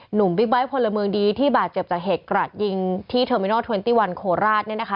หนุ่มบิ๊บบ้ายพลเมืองดีที่บาดเจ็บจากเห็กกระดยิงที่เทอร์มินอล๒๑โขราชเนี่ยนะคะ